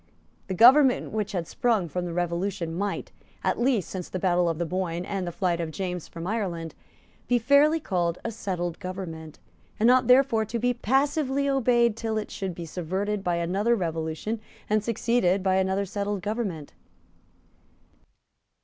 The government which had sprung from the Revolution might, at least since the battle of the Boyne and the flight of James from Ireland, be fairly called a settled government, and ought therefore to be passively obeyed till it should be subverted by another revolution and succeeded by another settled government.